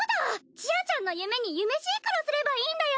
ちあちゃんの夢にユメシンクロすればいいんだよ！